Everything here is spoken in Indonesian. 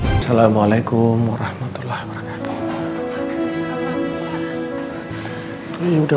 assalamualaikum warahmatullahi wabarakatuh